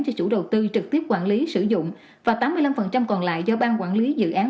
cho chủ đầu tư trực tiếp quản lý sử dụng và tám mươi năm còn lại do bang quản lý dự án